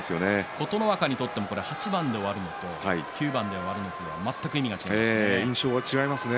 琴ノ若にとっても８番で終わるのと９番で終わるのと全く違いますね。